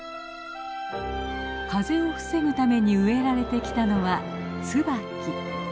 風を防ぐために植えられてきたのはツバキ。